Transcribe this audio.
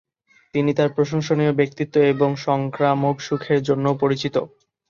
তিনি তার প্রশংসনীয় ব্যক্তিত্ব এবং সংক্রামক সুখের জন্যও পরিচিত।